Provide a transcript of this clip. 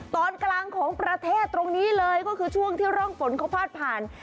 ตอนกลางของประเทศตรงนี้เลยก็คือช่วงที่ร่องฝนเขาพาดผ่าน